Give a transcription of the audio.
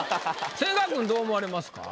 千賀君どう思われますか？